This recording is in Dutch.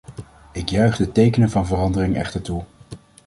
Ik juich de tekenen van verandering echter toe.